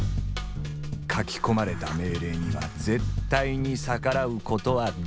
書き込まれた命令には絶対に逆らうことはできない。